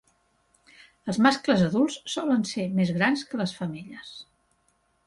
Els mascles adults solen ser més grans que les femelles.